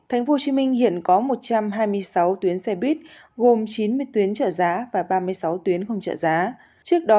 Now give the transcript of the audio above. tp hcm hiện có một trăm hai mươi sáu tuyến xe buýt gồm chín mươi tuyến trợ giá và ba mươi sáu tuyến không trợ giá trước đó